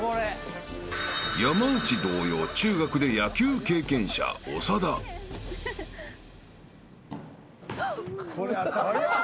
［山内同様中学で野球経験者長田］うわ！